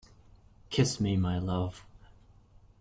Kiss me, my love.